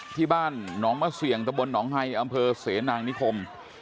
ที่บ้านหนองมะเสี่ยงตะบลหนองไฮอำเภอเสนางนิคม